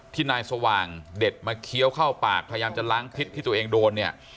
นายสว่างเด็ดมาเคี้ยวเข้าปากพยายามจะล้างพิษที่ตัวเองโดนเนี่ย